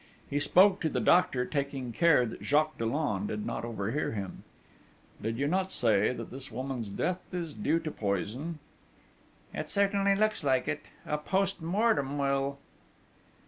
He spoke to the doctor, taking care that Jacques Dollon should not overhear him: 'Did you not say that this woman's death is due to poison?' 'It certainly looks like it.... A post mortem will